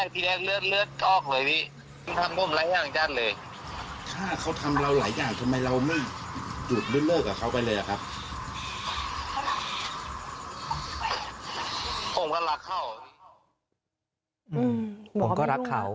จุดเลือกกับเขาไปเลยอะครับ